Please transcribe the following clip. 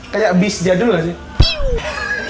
kayak abis jadul sih